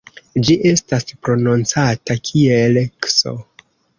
Ĝi estas prononcata kiel "ks".